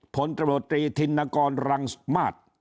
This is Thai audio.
ผลตำรวจตรีธินกรรมรังมาตร